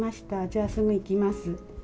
じゃあ、すぐ行きます。